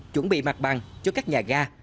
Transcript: chuẩn bị mặt bằng cho các nhà ga